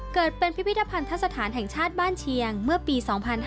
เกิดเป็นพิพิธภัณฑสถานแห่งชาติบ้านเชียงเมื่อปี๒๕๕๙